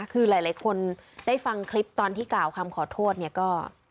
คือหลายคนได้ฟังคลิปตอนที่กล่าวคำขอโทษเนี่ยก็